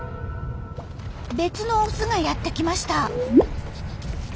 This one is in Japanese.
別のオスがやってきました。